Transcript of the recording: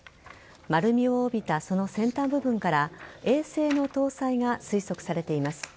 丸みを帯びた、その先端部分から衛星の搭載が推測されています。